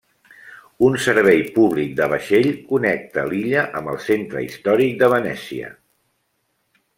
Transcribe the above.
Un servei públic de vaixell connecta l'illa amb el centre històric de Venècia.